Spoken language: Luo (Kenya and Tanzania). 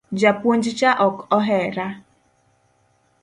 Japuonj cha ok ohera